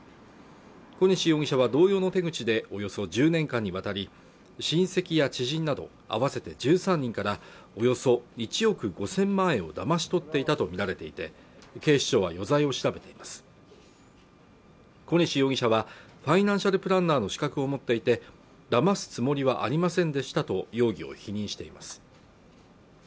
小西容疑者は同様の手口でおよそ１０年間にわたり親戚や知人など合わせて１３人からおよそ１億５０００万円をだまし取っていたと見られていて警視庁は余罪を調べています小西容疑者はファイナンシャルプランナーの資格を持っていて騙すつもりはありませんでしたと容疑を否認しています